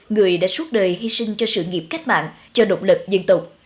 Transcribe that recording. người đã suốt đời hy sinh cho sự nghiệp cách mạng cho độc lập dân tộc